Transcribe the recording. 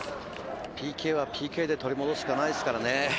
ＰＫはＰＫで取り戻すしかないですからね。